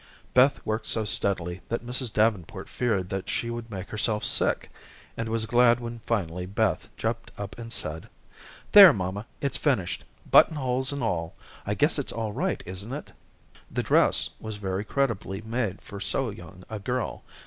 Beth worked so steadily that Mrs. Davenport feared that she would make herself sick, and was glad when finally Beth jumped up and said: "There, mamma, it's finished. Buttonholes and all. I guess it's all right, isn't it?" The dress was very creditably made for so young a girl.